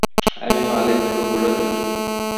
আমি ভালো একটা কুকুরও নই।